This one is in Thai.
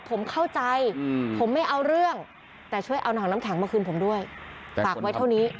ผมเข้าใจผมไม่เอาเรื่องแต่ช่วยเอาหนังน้ำแข็งมาคืนผมด้วยฝากไว้เท่านี้